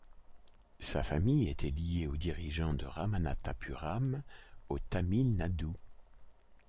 Sa famille était liée aux dirigeants de Ramanathapuram au Tamil Nadu.